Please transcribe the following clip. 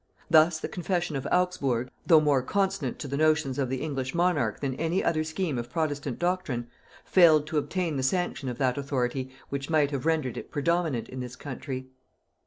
Thus the Confession of Augsburg, though more consonant to the notions of the English monarch than any other scheme of protestant doctrine, failed to obtain the sanction of that authority which might have rendered it predominant in this country.